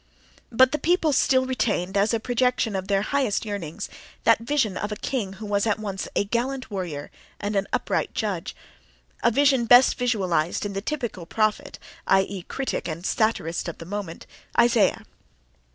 But the people still retained, as a projection of their highest yearnings, that vision of a king who was at once a gallant warrior and an upright judge—a vision best visualized in the typical prophet (i. e., critic and satirist of the moment), Isaiah.